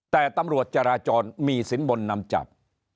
แต่ตำรวจจราจรมีสินบนนำจับ